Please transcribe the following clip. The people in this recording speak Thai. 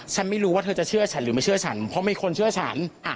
ฉันไม่รู้ว่าเธอจะเชื่อฉันหรือไม่เชื่อฉันเพราะมีคนเชื่อฉัน